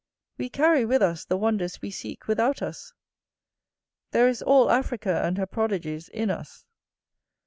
We carry with us the wonders we seek without us: there is all Africa and her prodigies in us.